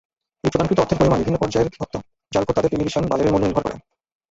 এই প্রদানকৃত অর্থের পরিমাণ বিভিন্ন পর্যায়ের বিভক্ত, যার ওপর তাদের টেলিভিশন বাজারের মূল্য নির্ভর করে।